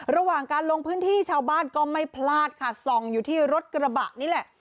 ระหว่างการลงพื้นที่ชาวบ้านก็ไม่พลาดค่ะส่องอยู่ที่รถกระบะนี่แหละ